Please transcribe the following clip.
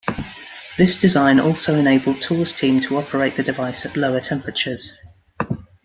This design also enabled Tour's team to operate the device at lower temperatures.